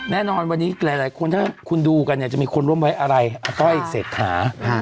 แน่นอนวันนี้หลายคนถ้าคุณดูกันเนี่ยจะมีคนร่วมไว้อะไรอาต้อยเศรษฐา